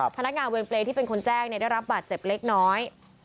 พนักงานเวรเปรย์ที่เป็นคนแจ้งได้รับบาดเจ็บเล็กน้อย